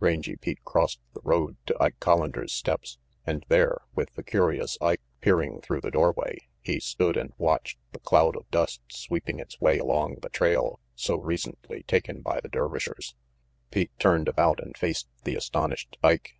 Rangy Pete crossed the road to Ike Collander's steps, and there, with the curious Ike peering through the doorway, he stood and watched the cloud of dust sweeping its way along the trail so recently taken by the Dervishers. Pete turned about and faced the astonished Ike.